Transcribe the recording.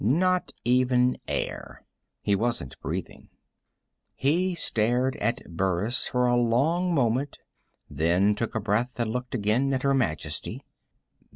Not even air. He wasn't breathing. He stared at Burris for a long moment, then took a breath and looked again at Her Majesty.